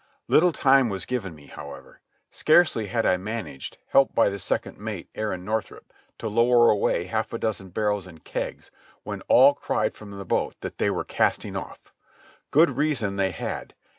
Little time was given me, however. Scarcely had I managed, helped by the second mate, Aaron Northrup, to lower away half a dozen barrels and kegs, when all cried from the boat that they were casting off. Good reason they had.